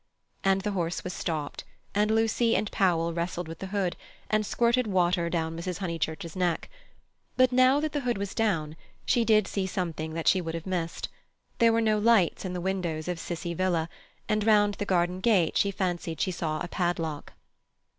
And the horse was stopped, and Lucy and Powell wrestled with the hood, and squirted water down Mrs. Honeychurch's neck. But now that the hood was down, she did see something that she would have missed—there were no lights in the windows of Cissie Villa, and round the garden gate she fancied she saw a padlock.